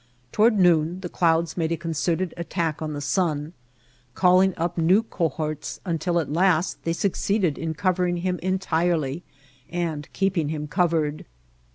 Toward noon the clouds made a concerted attack on the sun, calling up new cohorts until at last they succeeded in covering him entirely and keeping him covered.